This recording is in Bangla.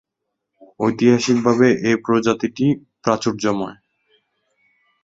ঐতিহাসিকভাবে এই প্রজাতিটি প্রাচুর্যময়।